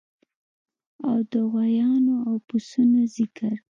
او د غوایانو او پسونو ځیګر